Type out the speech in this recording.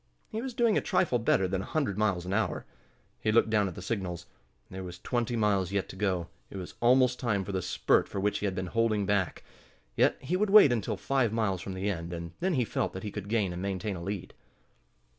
He was doing a trifle better than a hundred miles an hour. He looked down at the signals. There was twenty miles yet to go. It was almost time for the spurt for which he had been holding back. Yet he would wait until five miles from the end, and then he felt that he could gain and maintain a lead.